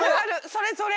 それそれ！